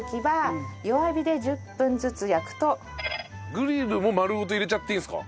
グリルも丸ごと入れちゃっていいんですか？